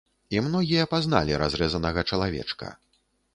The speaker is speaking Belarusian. І многія пазналі разрэзанага чалавечка.